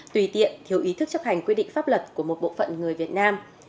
tùy tiện thiếu ý thức chấp hành quy định pháp luật của một bộ phận người việt nam